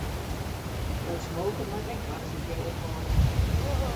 Dat smoken moat ek mar ris in kear ophâlde.